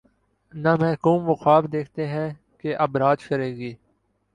نہ محکوم وہ خواب دیکھتے ہیں کہ:''اب راج کرے گی۔